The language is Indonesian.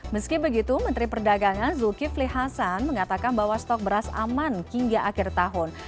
meski begitu menteri perdagangan zulkifli hasan mengatakan bahwa stok beras aman hingga akhir tahun